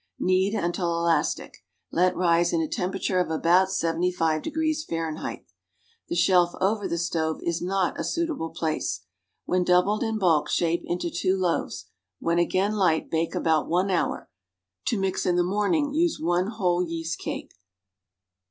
Knead until elastic. Let rise in a temperature of about 7j° F. The shelf over the stove is NOT a suitable place. AVhen doubled in bulk, shape into tw^o loaves. ^Yhen again light, bake about one hour, To mix in the morning, use one whole yeast cake.